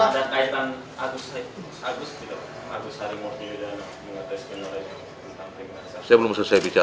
dan agus hari murtiweda mengatasi benar benar tentang penghiasan